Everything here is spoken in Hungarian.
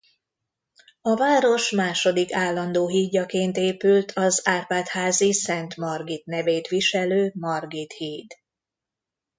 A város második állandó hídjaként épült az Árpád-házi Szent Margit nevét viselő Margit híd.